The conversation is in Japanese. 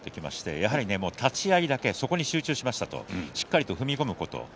やはり立ち合いだけそこに集中しましたとしっかりと踏み込むこと